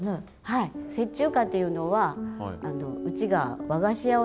はい雪中花というのはうちが和菓子屋をしてて。